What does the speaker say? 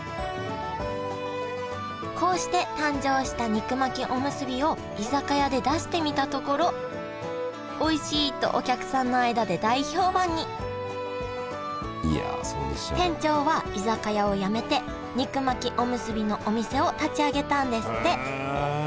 こうして誕生した肉巻きおむすびを居酒屋で出してみたところ「おいしい！」とお客さんの間で大評判に店長は居酒屋をやめて肉巻きおむすびのお店を立ち上げたんですって